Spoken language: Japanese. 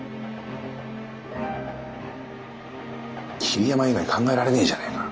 桐山以外考えられねえじゃねえか！